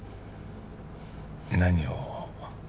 何を